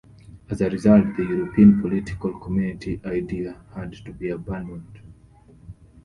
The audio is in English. As a result, the European Political Community idea had to be abandoned.